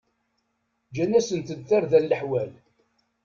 Gǧan-asent-d tarda leḥwal.